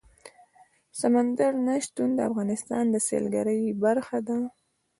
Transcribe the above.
سمندر نه شتون د افغانستان د سیلګرۍ برخه ده.